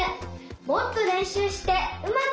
もっとれんしゅうしてうまくなりたい！